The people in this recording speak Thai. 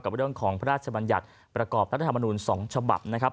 เรื่องของพระราชบัญญัติประกอบรัฐธรรมนูญ๒ฉบับนะครับ